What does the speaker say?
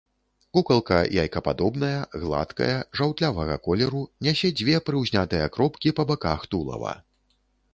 Кукалка яйкападобная, гладкая, жаўтлявага колеру, нясе дзве прыўзнятыя кропкі па баках тулава.